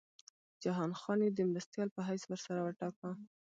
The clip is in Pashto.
جهان خان یې د مرستیال په حیث ورسره وټاکه.